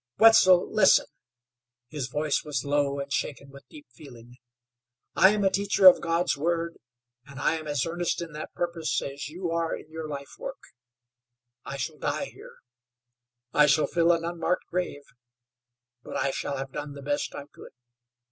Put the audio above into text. "Wetzel, listen;" his voice was low and shaken with deep feeling. "I am a teacher of God's word, and I am as earnest in that purpose as you are in your life work. I shall die here; I shall fill an unmarked grave; but I shall have done the best I could.